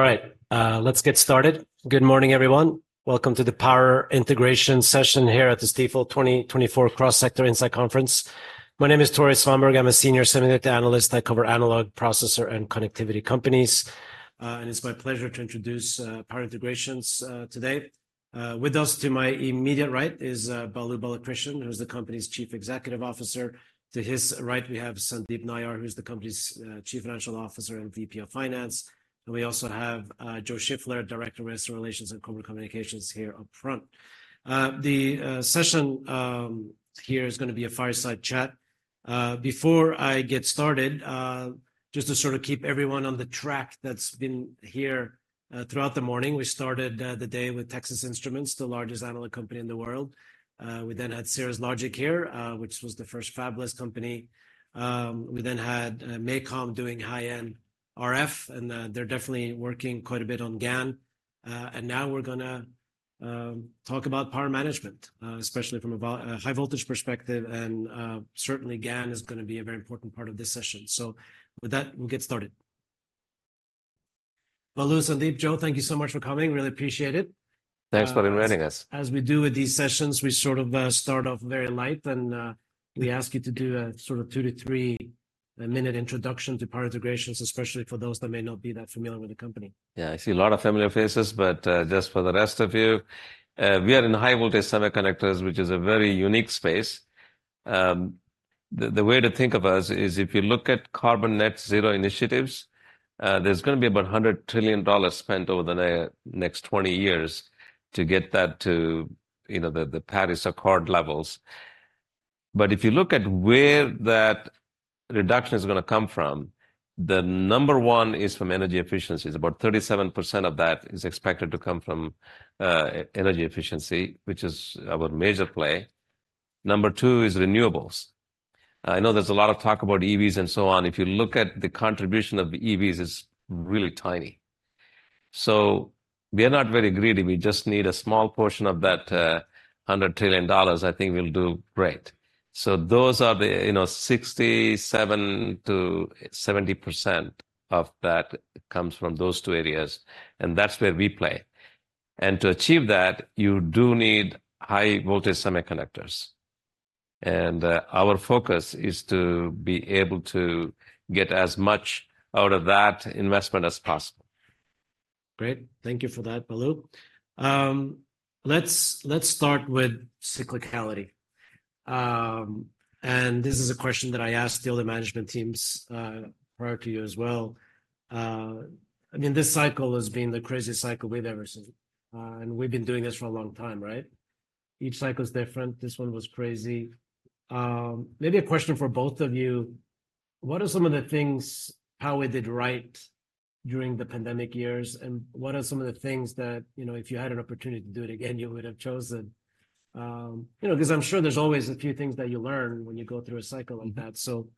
All right, let's get started. Good morning, everyone. Welcome to the Power Integrations session here at the Stifel 2024 Cross Sector Insight Conference. My name is Tore Svanberg. I'm a senior semiconductor analyst. I cover analog processor and connectivity companies, and it's my pleasure to introduce Power Integrations today. With us to my immediate right is Balu Balakrishnan, who's the company's Chief Executive Officer. To his right, we have Sandeep Nayyar, who's the company's Chief Financial Officer and VP of Finance, and we also have Joe Shiffler, Director of Investor Relations and Corporate Communications, here up front. The session here is gonna be a fireside chat. Before I get started, just to sort of keep everyone on the track that's been here throughout the morning, we started the day with Texas Instruments, the largest analog company in the world. We then had Cirrus Logic here, which was the first fabless company. We then had MACOM doing high-end RF, and they're definitely working quite a bit on GaN. And now we're gonna talk about power management, especially from a high voltage perspective. And certainly, GaN is gonna be a very important part of this session. So with that, we'll get started. Balu, Sandeep, Joe, thank you so much for coming. Really appreciate it. Thanks for inviting us. As we do with these sessions, we sort of start off very light, and we ask you to do a sort of two to three-minute introduction to Power Integrations, especially for those that may not be that familiar with the company. Yeah, I see a lot of familiar faces, but just for the rest of you, we are in high voltage semiconductors, which is a very unique space. The way to think of us is, if you look at carbon net-zero initiatives, there's gonna be about $100 trillion spent over the next 20 years to get that to, you know, the Paris Accord levels. But if you look at where that reduction is gonna come from, the number one is from energy efficiency. It's about 37% of that is expected to come from energy efficiency, which is our major play. Number two is renewables. I know there's a lot of talk about EVs and so on. If you look at the contribution of the EVs, it's really tiny. So we are not very greedy. We just need a small portion of that, hundred trillion dollars, I think we'll do great. So those are the, you know, 67%-70% of that comes from those two areas, and that's where we play. And to achieve that, you do need high voltage semiconductors, and, our focus is to be able to get as much out of that investment as possible. Great. Thank you for that, Balu. Let's start with cyclicality. This is a question that I asked the other management teams prior to you as well. I mean, this cycle has been the craziest cycle we've ever seen, and we've been doing this for a long time, right? Each cycle is different. This one was crazy. Maybe a question for both of you: What are some of the things Power did right during the pandemic years, and what are some of the things that, you know, if you had an opportunity to do it again, you would have chosen? You know, 'cause I'm sure there's always a few things that you learn when you go through a cycle like that. So,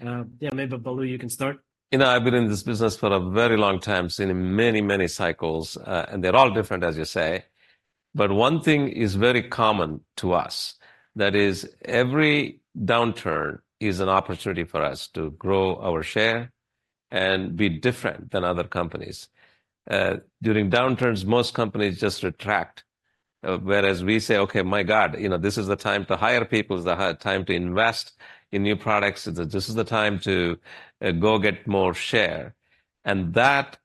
yeah, maybe, Balu, you can start. You know, I've been in this business for a very long time, seen many, many cycles, and they're all different, as you say. But one thing is very common to us. That is, every downturn is an opportunity for us to grow our share and be different than other companies. During downturns, most companies just retract, whereas we say, "Okay, my God, you know, this is the time to hire people. It's the hard time to invest in new products. This is the time to go get more share." And that,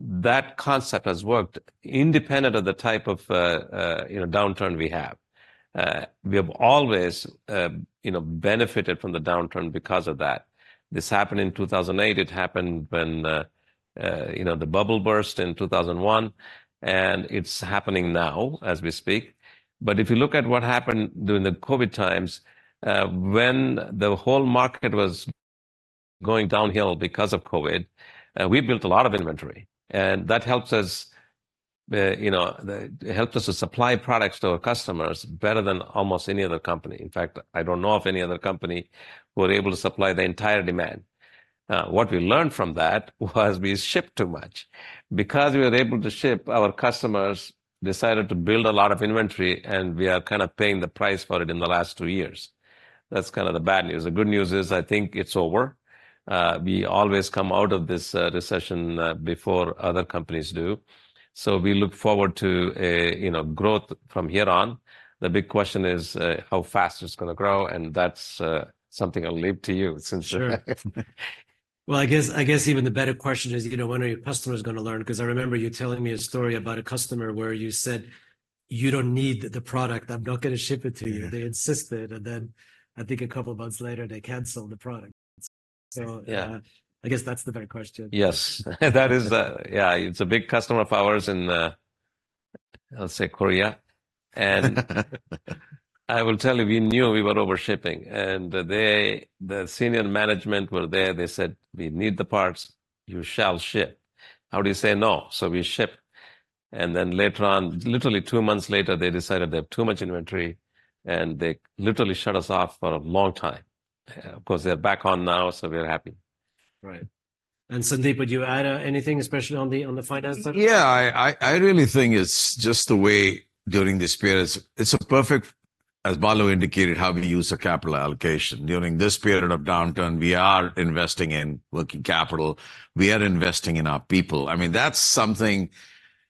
that concept has worked independent of the type of, you know, downturn we have. We have always, you know, benefited from the downturn because of that. This happened in 2008. It happened when, you know, the bubble burst in 2001, and it's happening now as we speak. But if you look at what happened during the COVID times, when the whole market was going downhill because of COVID, we built a lot of inventory, and that helps us, you know, it helped us to supply products to our customers better than almost any other company. In fact, I don't know of any other company who were able to supply the entire demand. What we learned from that was we shipped too much. Because we were able to ship, our customers decided to build a lot of inventory, and we are kind of paying the price for it in the last two years. That's kind of the bad news. The good news is I think it's over. We always come out of this recession before other companies do, so we look forward to a, you know, growth from here on. The big question is how fast it's gonna grow, and that's something I'll leave to you since- Sure. Well, I guess, I guess even the better question is, you know, when are your customers gonna learn? 'Cause I remember you telling me a story about a customer where you said, "You don't need the product. I'm not gonna ship it to you. Yeah. They insisted, and then I think a couple of months later, they cancelled the product. So- Yeah... I guess that's the better question. Yes. That is. Yeah, it's a big customer of ours in, let's say Korea. And I will tell you, we knew we were overshipping, and they, the senior management, were there. They said, "We need the parts. You shall ship." How do you say no? So we ship, and then later on, literally two months later, they decided they have too much inventory, and they literally shut us off for a long time. Of course, they're back on now, so we are happy. Right. And, Sandeep, would you add anything, especially on the finance side? Yeah, I really think it's just the way during this period. It's a perfect... as Balu indicated, how we use the capital allocation. During this period of downturn, we are investing in working capital, we are investing in our people. I mean, that's something,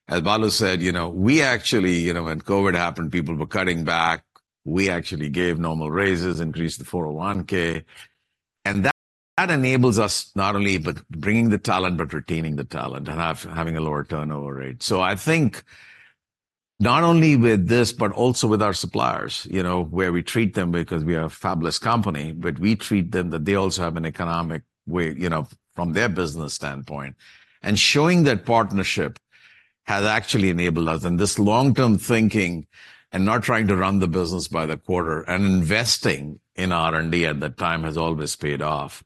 as Balu said, you know, we actually, you know, when COVID happened, people were cutting back. We actually gave normal raises, increased the 401(k), and that enables us not only bringing the talent, but retaining the talent and having a lower turnover rate. So I think not only with this, but also with our suppliers, you know, where we treat them because we are a fabless company, but we treat them that they also have an economic way, you know, from their business standpoint. Showing that partnership has actually enabled us, and this long-term thinking and not trying to run the business by the quarter and investing in R&D at that time has always paid off.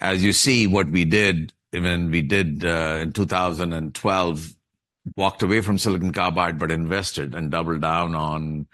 As you see, what we did, even we did, in 2012, walked away from silicon carbide, but invested and doubled down on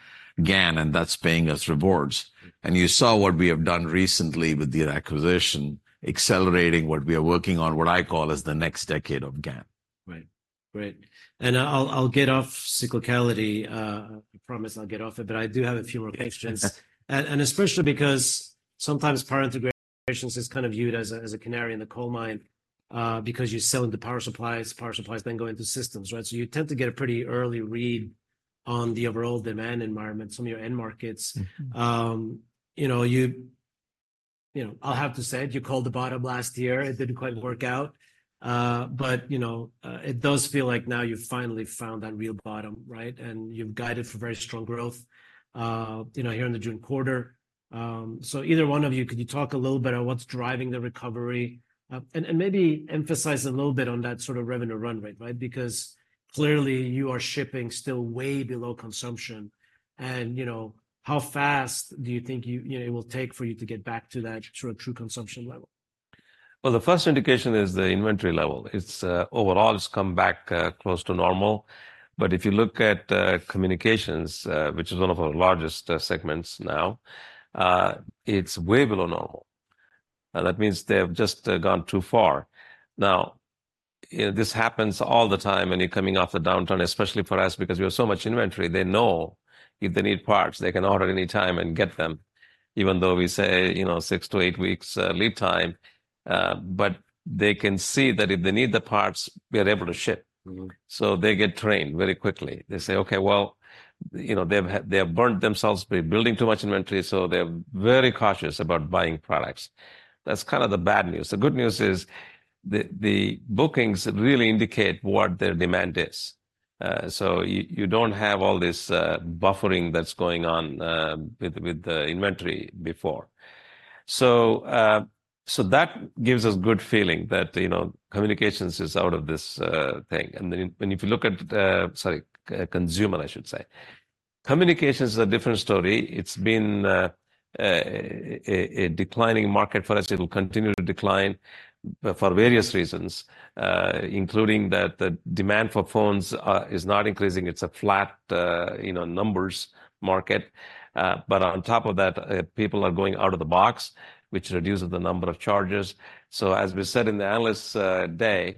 GaN, and that's paying us rewards. And you saw what we have done recently with the acquisition, accelerating what we are working on, what I call as the next decade of GaN. Right. Great. I'll get off cyclicality. I promise I'll get off it, but I do have a few more questions. And especially because sometimes Power Integrations is kind of viewed as a canary in the coal mine, because you sell into power supplies, power supplies then go into systems, right? So you tend to get a pretty early read on the overall demand environment, some of your end markets. Mm-hmm. You know, you know, I'll have to say, you called the bottom last year. It didn't quite work out. But, you know, it does feel like now you've finally found that real bottom, right? And you've guided for very strong growth, you know, here in the June quarter. So either one of you, could you talk a little bit on what's driving the recovery? And maybe emphasize a little bit on that sort of revenue run rate, right? Because clearly, you are shipping still way below consumption and, you know, how fast do you think you know, it will take for you to get back to that sort of true consumption level? Well, the first indication is the inventory level. It's overall, it's come back close to normal, but if you look at communications, which is one of our largest segments now, it's way below normal, and that means they've just gone too far. Now, you know, this happens all the time when you're coming off a downturn, especially for us, because we have so much inventory. They know if they need parts, they can order any time and get them, even though we say, you know, six to eight weeks lead time. But they can see that if they need the parts, we are able to ship. Mm-hmm. So they get trained very quickly. They say, "Okay, well..." You know, they've had, they have burnt themselves by building too much inventory, so they're very cautious about buying products. That's kind of the bad news. The good news is the bookings really indicate what their demand is. So you don't have all this buffering that's going on with the inventory before. So that gives us good feeling that, you know, communications is out of this thing. And then when you look at... Sorry, consumer, I should say. Communications is a different story. It's been a declining market for us. It will continue to decline but for various reasons, including that the demand for phones is not increasing. It's a flat, you know, numbers market. But on top of that, people are going out-of-the-box, which reduces the number of charges. So as we said in the analyst day,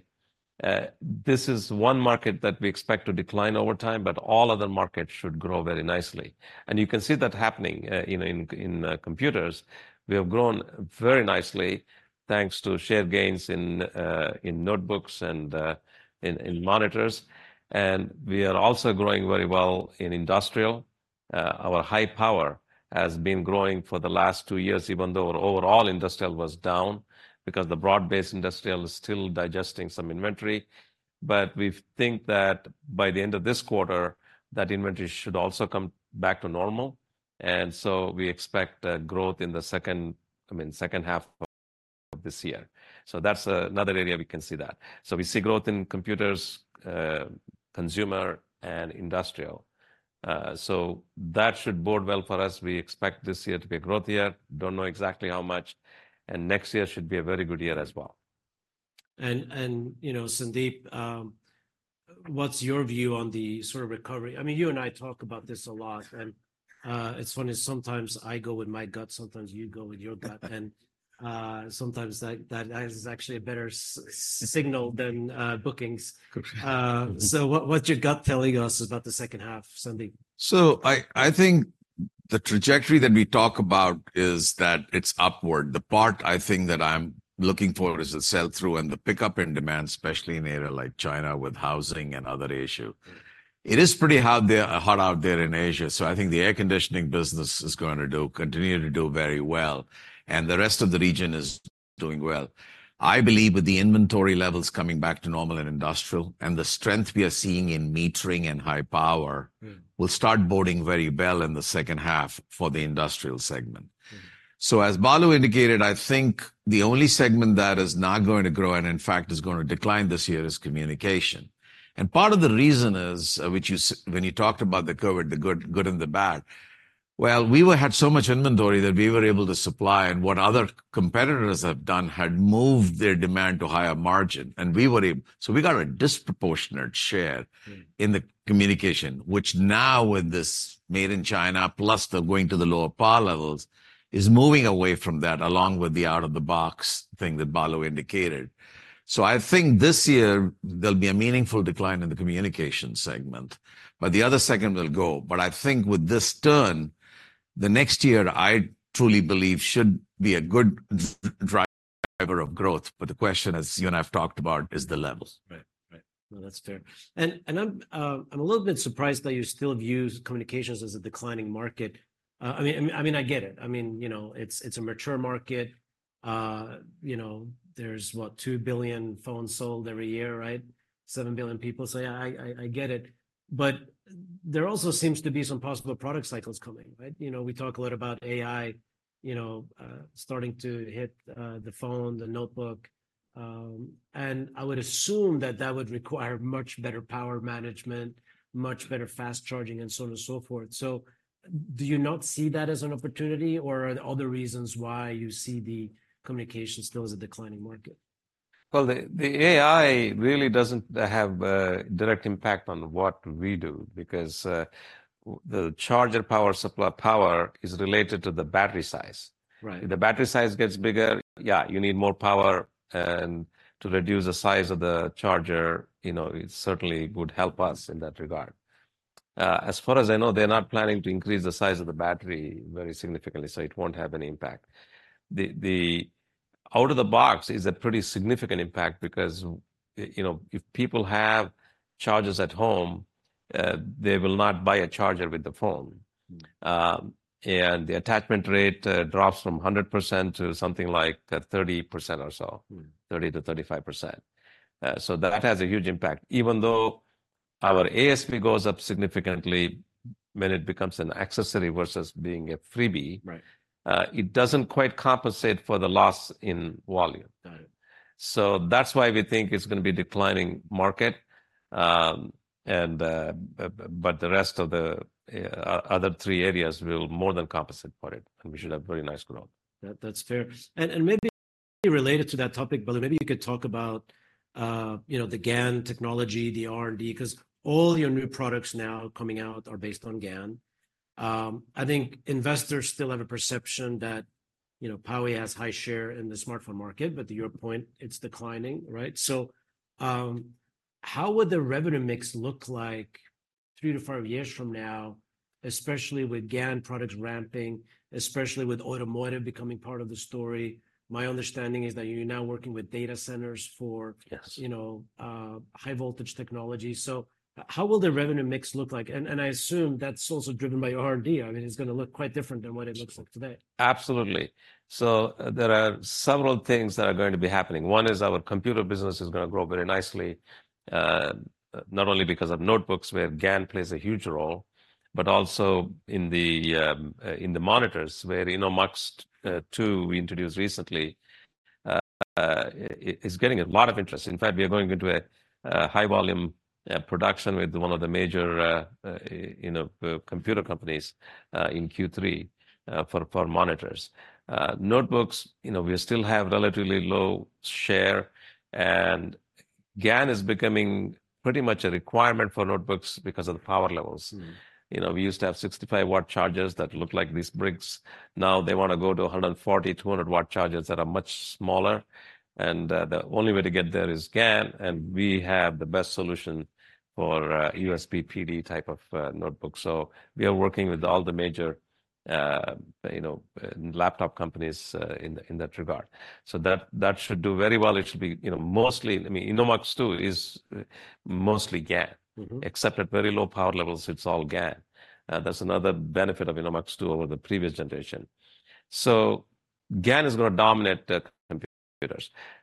this is one market that we expect to decline over time, but all other markets should grow very nicely. And you can see that happening, you know, in computers. We have grown very nicely, thanks to shared gains in notebooks and in monitors, and we are also growing very well in industrial. Our high power has been growing for the last two years, even though our overall industrial was down, because the broad-based industrial is still digesting some inventory. But we think that by the end of this quarter, that inventory should also come back to normal, and so we expect growth in the second, I mean, second half of this year. So that's another area we can see that. So we see growth in computers, consumer, and industrial. So that should bode well for us. We expect this year to be a growth year. Don't know exactly how much, and next year should be a very good year as well. And, you know, Sandeep, what's your view on the sort of recovery? I mean, you and I talk about this a lot, and it's funny, sometimes I go with my gut, sometimes you go with your gut, sometimes that is actually a better signal than bookings. So what, what's your gut telling us about the second half, Sandeep? So I think the trajectory that we talk about is that it's upward. The part I think that I'm looking for is the sell-through and the pickup in demand, especially in an area like China with housing and other issue. It is pretty hot there, hot out there in Asia, so I think the air conditioning business is going to do, continue to do very well, and the rest of the region is doing well. I believe with the inventory levels coming back to normal in industrial and the strength we are seeing in metering and high power- Mm... will start boarding very well in the second half for the industrial segment. Mm-hmm. So as Balu indicated, I think the only segment that is not going to grow, and in fact is going to decline this year, is communication. And part of the reason is, which you when you talked about the COVID, the good, good and the bad, well, we were had so much inventory that we were able to supply, and what other competitors have done had moved their demand to higher margin, and we were able. So we got a disproportionate share- Mm... in the communication, which now with this Made in China, plus the going to the lower power levels, is moving away from that, along with the out-of-the-box thing that Balu indicated. So I think this year there'll be a meaningful decline in the communication segment, but the other segment will grow. But I think with this turn, the next year, I truly believe, should be a good driver-... driver of growth, but the question, as you and I have talked about, is the levels. Right. Right. No, that's fair. And I'm a little bit surprised that you still view communications as a declining market. I mean, I get it. I mean, you know, it's a mature market. You know, there's what? 2 billion phones sold every year, right? 7 billion people. So yeah, I get it. But there also seems to be some possible product cycles coming, right? You know, we talk a lot about AI, you know, starting to hit, the phone, the notebook. And I would assume that that would require much better power management, much better fast charging, and so on and so forth. So do you not see that as an opportunity, or are there other reasons why you see communications still as a declining market? Well, the AI really doesn't have a direct impact on what we do because the charger power supply is related to the battery size. Right. If the battery size gets bigger, yeah, you need more power, and to reduce the size of the charger, you know, it certainly would help us in that regard. As far as I know, they're not planning to increase the size of the battery very significantly, so it won't have any impact. The out of the box is a pretty significant impact because, you know, if people have chargers at home, they will not buy a charger with the phone. Mm. The attachment rate drops from 100% to something like 30% or so. Mm. 30%-35%. So that has a huge impact. Even though our ASP goes up significantly when it becomes an accessory versus being a freebie- Right ... it doesn't quite compensate for the loss in volume. Got it. So that's why we think it's gonna be a declining market. But the rest of the other three areas will more than compensate for it, and we should have very nice growth. That, that's fair. And maybe related to that topic, but maybe you could talk about, you know, the GaN technology, the R&D, 'cause all your new products now coming out are based on GaN. I think investors still have a perception that, you know, Power has high share in the smartphone market, but to your point, it's declining, right? So, how would the revenue mix look like three to five years from now, especially with GaN products ramping, especially with automotive becoming part of the story? My understanding is that you're now working with data centers for- Yes... you know, high-voltage technology. So how will the revenue mix look like? And I assume that's also driven by R&D. I mean, it's gonna look quite different than what it looks like today. Absolutely. So there are several things that are going to be happening. One is our computer business is gonna grow very nicely, not only because of notebooks, where GaN plays a huge role, but also in the monitors, where InnoMux-2, we introduced recently, is getting a lot of interest. In fact, we are going into a high-volume production with one of the major, you know, computer companies, in Q3, for monitors. Notebooks, you know, we still have relatively low share, and GaN is becoming pretty much a requirement for notebooks because of the power levels. Mm. You know, we used to have 65 W chargers that looked like these bricks. Now they wanna go to 140- and 200 W chargers that are much smaller, and the only way to get there is GaN, and we have the best solution for USB PD type of notebooks. So we are working with all the major, you know, laptop companies, in, in that regard. So that, that should do very well. It should be, you know, mostly, I mean, InnoMux-2 is mostly GaN. Mm-hmm. Except at very low power levels, it's all GaN. That's another benefit of InnoMux-2 over the previous generation. So GaN is gonna dominate the computers.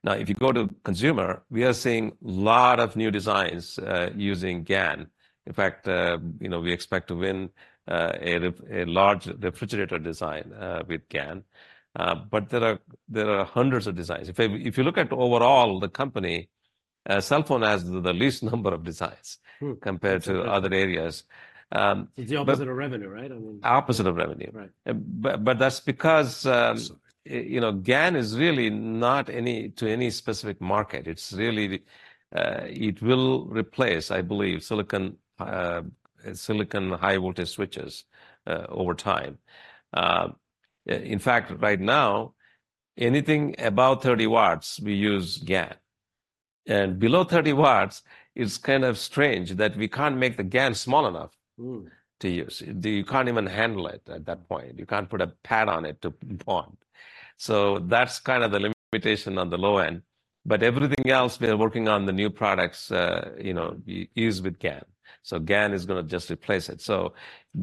Now, if you go to consumer, we are seeing a lot of new designs using GaN. In fact, you know, we expect to win a large refrigerator design with GaN. But there are hundreds of designs. If you look at overall, the company, cell phone has the least number of designs- Hmm... compared to other areas. But- It's the opposite of revenue, right? I mean- Opposite of revenue. Right. But that's because, you know, GaN is really not tied to any specific market. It's really the... It will replace, I believe, silicon, silicon high-voltage switches, over time. In fact, right now, anything above 30 W, we use GaN, and below 30 W, it's kind of strange that we can't make the GaN small enough- Mm... to use. You can't even handle it at that point. You can't put a pad on it to bond. So that's kind of the limitation on the low end. But everything else, we are working on the new products, you know, use with GaN. So GaN is gonna just replace it. So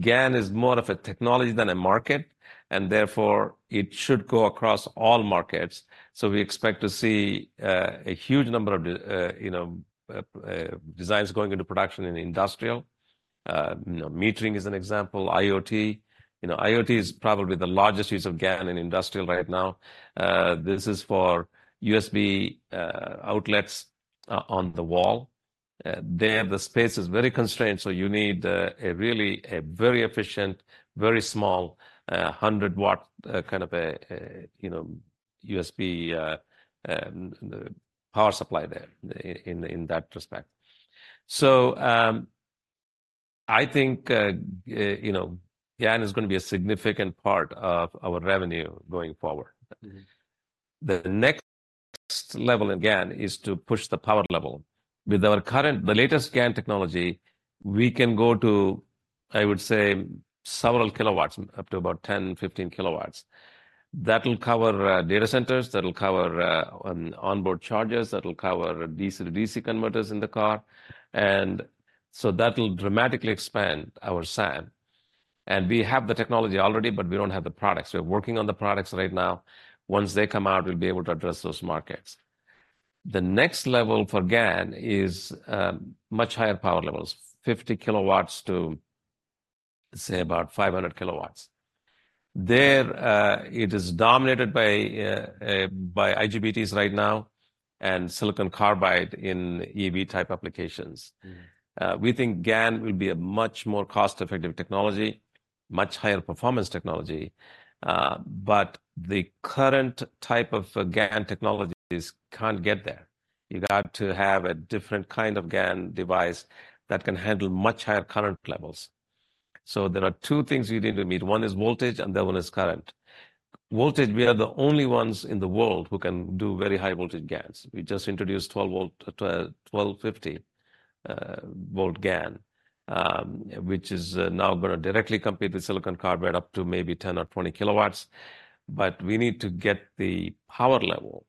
GaN is more of a technology than a market, and therefore, it should go across all markets. So we expect to see a huge number of, you know, designs going into production in industrial. You know, metering is an example, IoT. You know, IoT is probably the largest use of GaN in industrial right now. This is for USB outlets on the wall. There, the space is very constrained, so you need a really, a very efficient, very small, 100 W kind of a, you know, USB, power supply there in that respect. So, I think, you know, GaN is gonna be a significant part of our revenue going forward. Mm-hmm. The next level in GaN is to push the power level. With our current, the latest GaN technology, we can go to I would say several kilowatts, up to about 10-15 kW. That will cover data centers, that'll cover onboard chargers, that'll cover DC to DC converters in the car. And so that will dramatically expand our SAM. And we have the technology already, but we don't have the products. We're working on the products right now. Once they come out, we'll be able to address those markets. The next level for GaN is much higher power levels, 50-500 kW. There it is dominated by IGBTs right now, and silicon carbide in EV-type applications. Mm. We think GaN will be a much more cost-effective technology, much higher performance technology. But the current type of GaN technologies can't get there. You've got to have a different kind of GaN device that can handle much higher current levels. So there are two things you need to meet: one is voltage, and the other one is current. Voltage, we are the only ones in the world who can do very high voltage GaNs. We just introduced 12-volt, 15-volt GaN, which is now gonna directly compete with silicon carbide up to maybe 10 or 20 kW. But we need to get the power level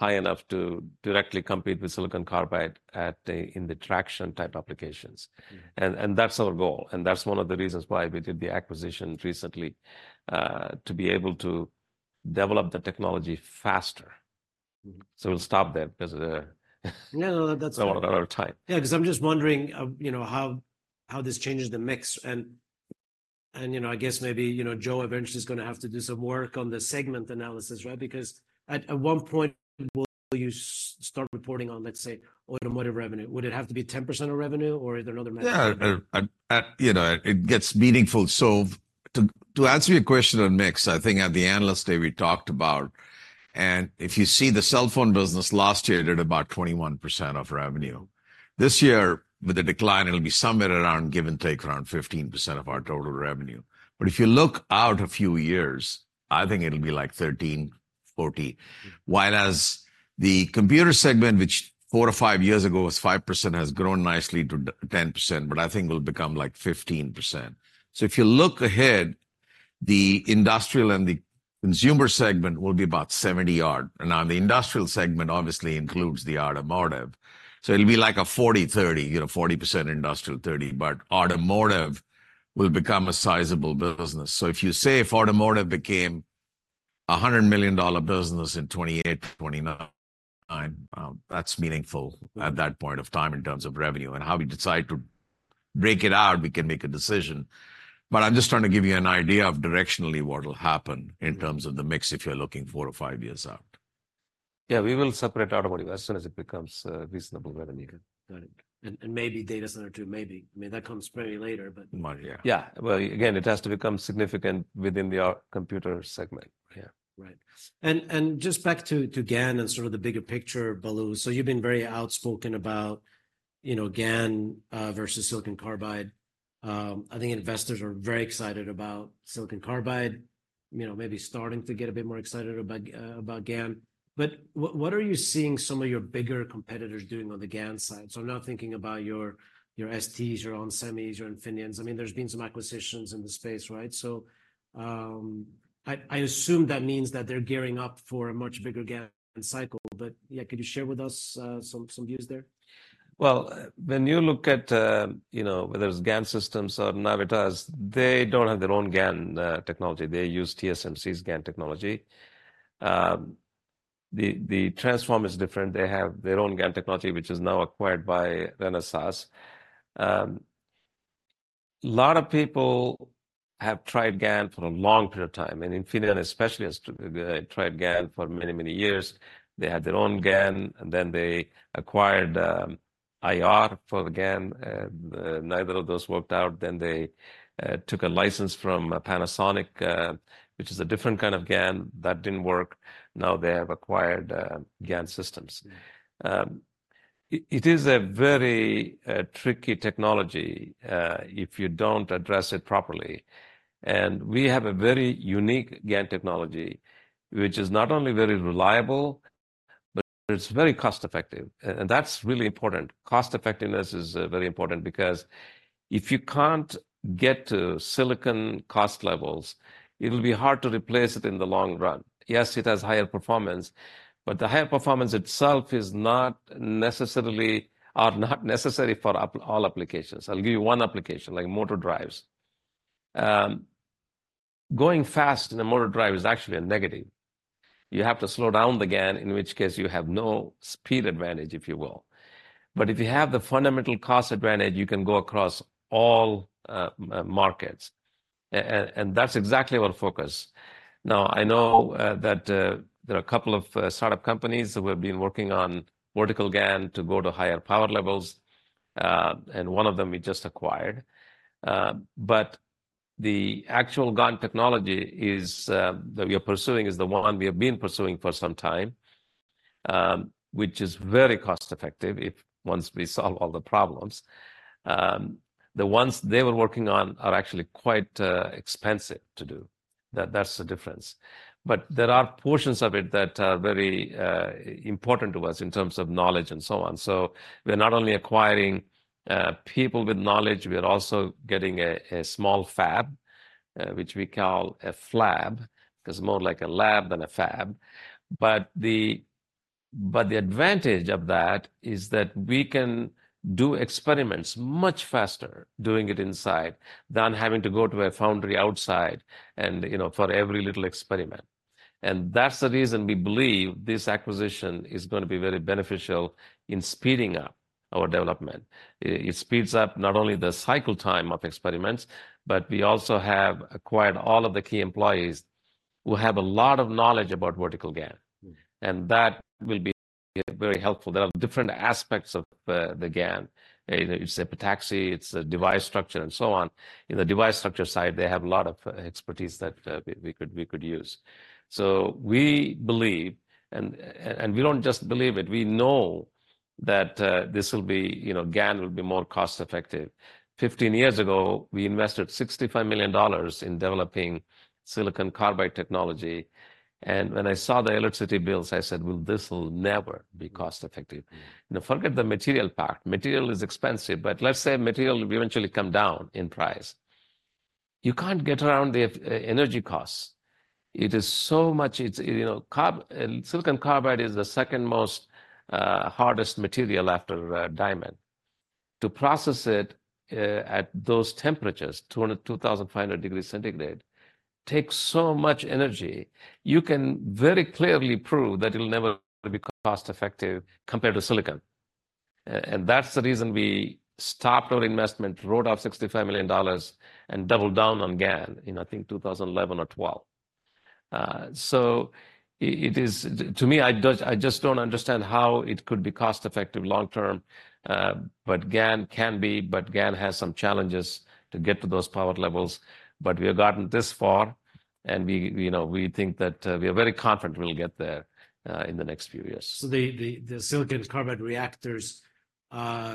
high enough to directly compete with silicon carbide at the, in the traction-type applications. Mm. That's our goal, and that's one of the reasons why we did the acquisition recently, to be able to develop the technology faster. Mm-hmm. So we'll stop there because, No, no, that's- I'm out of time. Yeah, because I'm just wondering, you know, how this changes the mix. And, you know, I guess maybe, you know, Joe eventually is gonna have to do some work on the segment analysis, right? Because at one point, will you start reporting on, let's say, automotive revenue? Would it have to be 10% of revenue, or is there another metric? Yeah, you know, it gets meaningful. So to, to answer your question on mix, I think at the Analyst Day, we talked about... And if you see the cell phone business last year, did about 21% of revenue. This year, with the decline, it'll be somewhere around, give and take, around 15% of our total revenue. But if you look out a few years, I think it'll be like 13%-14%. Mm. While as the computer segment, which four to five years ago was 5%, has grown nicely to ten percent, but I think will become, like, 15%. So if you look ahead, the industrial and the consumer segment will be about 70-odd. And now the industrial segment obviously includes the automotive. So it'll be like a 40, 30, you know, 40% industrial, 30. But automotive will become a sizable business. So if you say if automotive became a $100 million business in 2028, 2029, that's meaningful- Mm... at that point of time in terms of revenue. And how we decide to break it out, we can make a decision. But I'm just trying to give you an idea of directionally what will happen- Mm... in terms of the mix if you're looking four or five years out. Yeah, we will separate automotive as soon as it becomes reasonable revenue. Got it. And maybe data center, too. Maybe. I mean, that comes probably later, but- Might, yeah. Yeah. Well, again, it has to become significant within our computer segment. Yeah. Right. And just back to GaN and sort of the bigger picture, Balu. So you've been very outspoken about, you know, GaN versus silicon carbide. I think investors are very excited about silicon carbide. You know, maybe starting to get a bit more excited about about GaN. But what are you seeing some of your bigger competitors doing on the GaN side? So I'm now thinking about your your STs, your ON Semis, your Infineons. I mean, there's been some acquisitions in the space, right? So I assume that means that they're gearing up for a much bigger GaN cycle. But yeah, could you share with us some views there? Well, when you look at, you know, whether it's GaN Systems or Navitas, they don't have their own GaN technology. They use TSMC's GaN technology. The Transphorm is different. They have their own GaN technology, which is now acquired by Renesas. A lot of people have tried GaN for a long period of time, and Infineon especially has tried GaN for many, many years. They had their own GaN, and then they acquired IR for the GaN, and neither of those worked out. Then they took a license from Panasonic, which is a different kind of GaN that didn't work. Now they have acquired GaN Systems. Mm. It is a very tricky technology if you don't address it properly. And we have a very unique GaN technology, which is not only very reliable, but it's very cost-effective, and that's really important. Cost-effectiveness is very important because if you can't get to silicon cost levels, it'll be hard to replace it in the long run. Yes, it has higher performance, but the higher performance itself is not necessarily necessary for all applications. I'll give you one application, like motor drives. Going fast in a motor drive is actually a negative. You have to slow down the GaN, in which case you have no speed advantage, if you will. But if you have the fundamental cost advantage, you can go across all markets. And that's exactly our focus. Now, I know that there are a couple of start-up companies who have been working on vertical GaN to go to higher power levels, and one of them we just acquired. But the actual GaN technology is that we are pursuing is the one we have been pursuing for some time, which is very cost-effective once we solve all the problems. The ones they were working on are actually quite expensive to do. That's the difference. But there are portions of it that are very important to us in terms of knowledge and so on. So we're not only acquiring people with knowledge, we are also getting a small fab, which we call a flab, 'cause it's more like a lab than a fab. But the advantage of that is that we can do experiments much faster doing it inside than having to go to a foundry outside and, you know, for every little experiment. And that's the reason we believe this acquisition is gonna be very beneficial in speeding up our development. It speeds up not only the cycle time of experiments, but we also have acquired all of the key employees who have a lot of knowledge about vertical GaN, and that will be very helpful. There are different aspects of the GaN. It's epitaxy, it's a device structure, and so on. In the device structure side, they have a lot of expertise that we could use. So we believe, and we don't just believe it, we know that this will be, you know, GaN will be more cost-effective. 15 years ago, we invested $65 million in developing silicon carbide technology, and when I saw the electricity bills, I said, "Well, this will never be cost-effective." Now, forget the material part. Material is expensive, but let's say material will eventually come down in price. You can't get around the, energy costs. It is so much... It's, you know, silicon carbide is the second most hardest material after, diamond. To process it, at those temperatures, 200, 2,500 degrees centigrade, takes so much energy, you can very clearly prove that it'll never be cost-effective compared to silicon. And that's the reason we stopped our investment, wrote off $65 million, and doubled down on GaN in, I think, 2011 or 2012. So, to me, I just don't understand how it could be cost-effective long term. But GaN has some challenges to get to those power levels. But we have gotten this far, and we, you know, we think that we are very confident we'll get there in the next few years. So the silicon carbide reactors,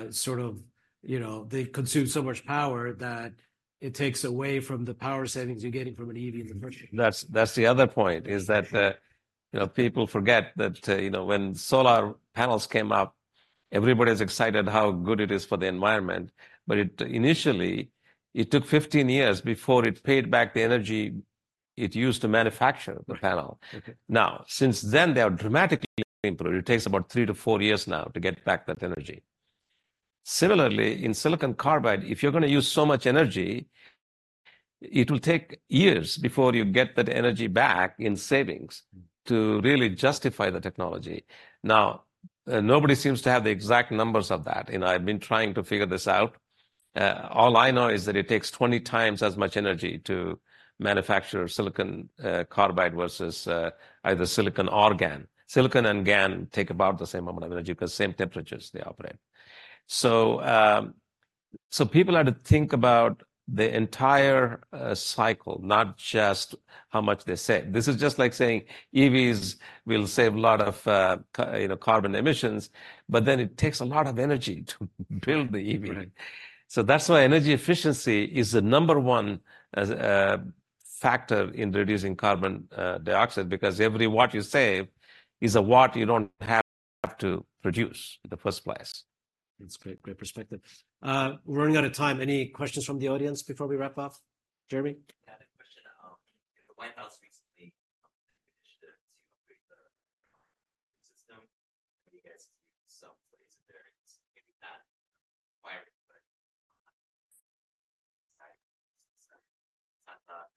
sort of, you know, they consume so much power that it takes away from the power savings you're getting from an EV in the first place. That's, that's the other point, is that, you know, people forget that, you know, when solar panels came out, everybody was excited how good it is for the environment. But it initially, it took 15 years before it paid back the energy it used to manufacture the panel. Okay. Now, since then, they have dramatically improved. It takes about three to four years now to get back that energy. Similarly, in silicon carbide, if you're gonna use so much energy, it will take years before you get that energy back in savings- Mm... to really justify the technology. Now, nobody seems to have the exact numbers of that, and I've been trying to figure this out. All I know is that it takes 20 times as much energy to manufacture silicon carbide versus either silicon or GaN. Silicon and GaN take about the same amount of energy 'cause same temperatures they operate. So, so people have to think about the entire cycle, not just how much they save. This is just like saying EVs will save a lot of, you know, carbon emissions, but then it takes a lot of energy to build the EV. Right. So that's why energy efficiency is the number one as factor in reducing carbon dioxide, because every watt you save is a watt you don't have to produce in the first place. That's great. Great perspective. We're running out of time. Any questions from the audience before we wrap up? Jeremy? Yeah, I had a question. The White House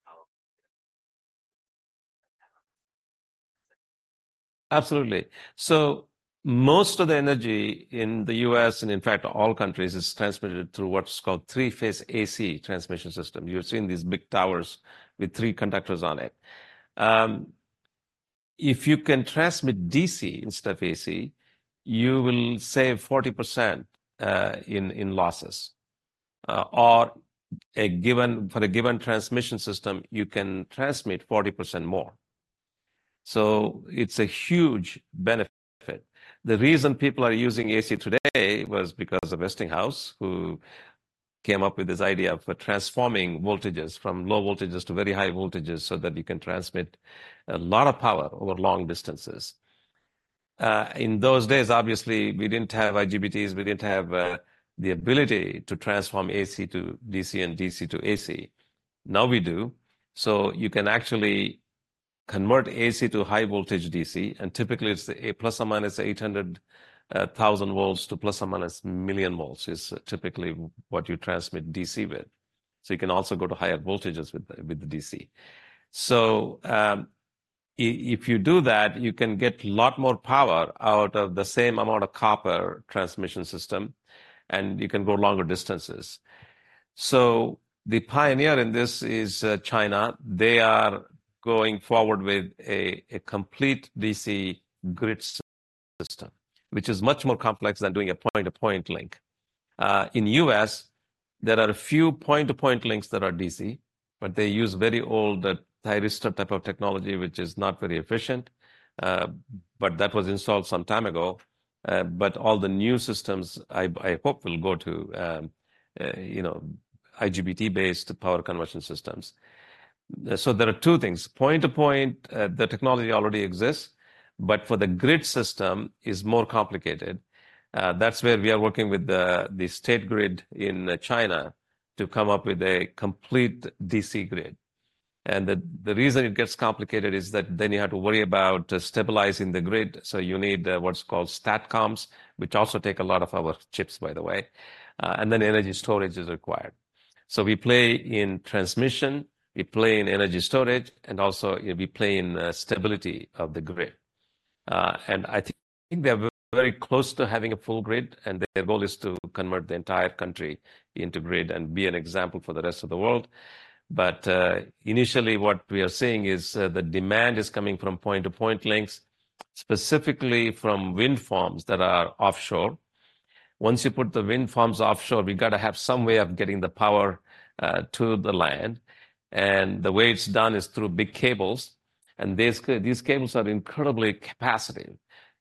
recent initiative to upgrade the system. Do you guys see some place there? Maybe not requiring, but... Sorry. I thought how- Absolutely. So most of the energy in the U.S., and in fact, all countries, is transmitted through what's called three-phase AC transmission system. You've seen these big towers with three conductors on it. If you can transmit DC instead of AC, you will save 40% in losses. Or for a given transmission system, you can transmit 40% more. So it's a huge benefit. The reason people are using AC today was because of Westinghouse, who came up with this idea for transforming voltages from low voltages to very high voltages, so that you can transmit a lot of power over long distances. In those days, obviously, we didn't have IGBTs, we didn't have, the ability to transform AC to DC and DC to AC. Now we do. So you can actually convert AC to high voltage DC, and typically, it's a ±800,000 volts to ±1 million volts, is typically what you transmit DC with. So you can also go to higher voltages with, with the DC. So, if you do that, you can get a lot more power out of the same amount of copper transmission system, and you can go longer distances. So the pioneer in this is, China. They are going forward with a, a complete DC grid system, which is much more complex than doing a point-to-point link. In the U.S., there are a few point-to-point links that are DC, but they use very old thyristor type of technology, which is not very efficient, but that was installed some time ago.... But all the new systems, I hope will go to, you know, IGBT-based power conversion systems. So there are two things. Point-to-point, the technology already exists, but for the grid system is more complicated. That's where we are working with the State Grid in China to come up with a complete DC grid. And the reason it gets complicated is that then you have to worry about stabilizing the grid, so you need what's called STATCOMs, which also take a lot of our chips, by the way. And then energy storage is required. So we play in transmission, we play in energy storage, and also we play in the stability of the grid. And I think we are very close to having a full grid, and the goal is to convert the entire country into grid and be an example for the rest of the world. But initially, what we are seeing is the demand is coming from point-to-point links, specifically from wind farms that are offshore. Once you put the wind farms offshore, we've got to have some way of getting the power to the land, and the way it's done is through big cables, and these cables are incredibly capacitive.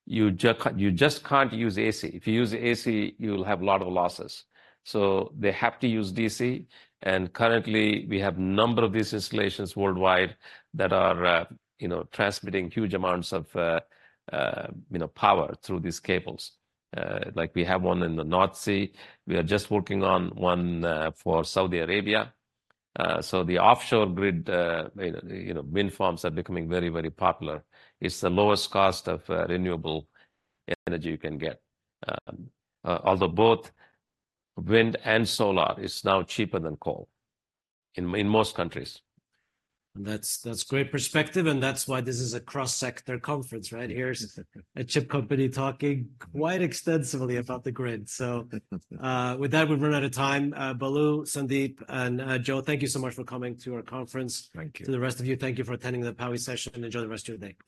You just can't use AC. If you use AC, you'll have a lot of losses. So they have to use DC, and currently, we have a number of these installations worldwide that are you know, transmitting huge amounts of you know, power through these cables. Like we have one in the North Sea. We are just working on one for Saudi Arabia. So the offshore grid, you know, wind farms are becoming very, very popular. It's the lowest cost of renewable energy you can get. Although both wind and solar is now cheaper than coal in most countries. That's, that's great perspective, and that's why this is a cross-sector conference, right? Here's a chip company talking quite extensively about the grid. With that, we've run out of time. Balu, Sandeep, and Joe, thank you so much for coming to our conference. Thank you. To the rest of you, thank you for attending the POWI session, and enjoy the rest of your day.